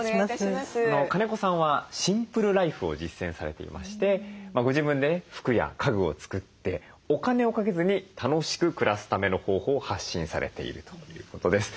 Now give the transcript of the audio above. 金子さんはシンプルライフを実践されていましてご自分でね服や家具を作ってお金をかけずに楽しく暮らすための方法を発信されているということです。